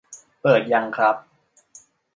เปิด ยังครับ